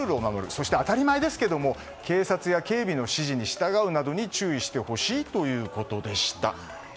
そして、当たり前ですが警察や警備の指示に従うなどに注意してほしいということでした。